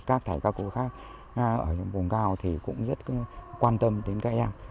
các thầy các cô khác ở vùng cao thì cũng rất quan tâm đến các em